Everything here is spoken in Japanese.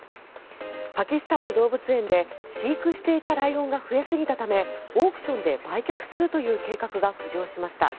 パキスタンの動物園で飼育していたライオンが増えすぎたためオークションで売却するという計画が浮上しました。